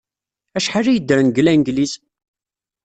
Acḥal ay ddren deg Langliz?